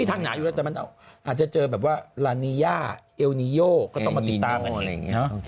ถ้าหนาอยู่แล้วจะเจอแบบว่าลาเนียเอลนิโยก็ต้องมาติดตามมันเห็น